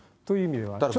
という意味では。